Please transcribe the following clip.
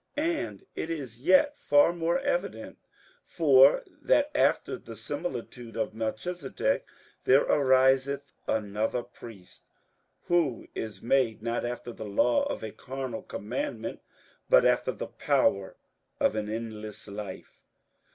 58:007:015 And it is yet far more evident: for that after the similitude of Melchisedec there ariseth another priest, 58:007:016 Who is made, not after the law of a carnal commandment, but after the power of an endless life.